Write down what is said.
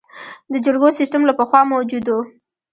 د جرګو سیسټم له پخوا موجود و